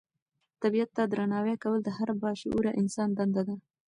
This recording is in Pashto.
طبیعت ته درناوی کول د هر با شعوره انسان دنده ده.